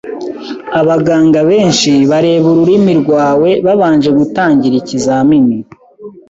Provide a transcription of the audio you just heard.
Abaganga benshi bareba ururimi rwawe babanje gutangira ikizamini.